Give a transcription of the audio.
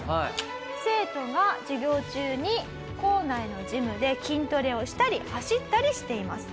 生徒が授業中に校内のジムで筋トレをしたり走ったりしています。